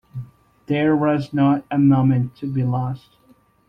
There was not a moment to be lost.